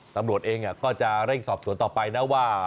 ตำรวจเองก็จะเร่งสอบสวนต่อไปนะว่า